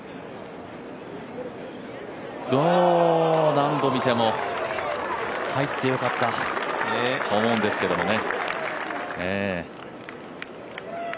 何度見ても、入ってよかったと思うんですけどね。